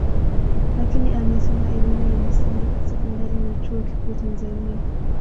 Lakini amesoma elimu ya msingi sekondari na chuo kikuu Tanzania